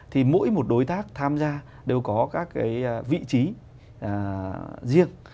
thì mỗi một đối tác tham gia đều có các cái vị trí riêng